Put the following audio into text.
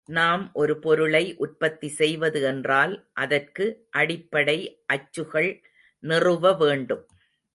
நாம் ஒரு பொருளை உற்பத்தி செய்வது என்றால் அதற்கு அடிப்படை அச்சுகள் நிறுவவேண்டும்.